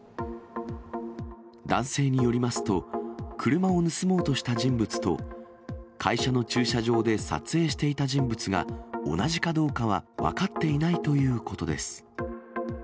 男性によりますと、車を盗もうとした人物と、会社の駐車場で撮影していた人物が同じかどうかは分かっていないということです。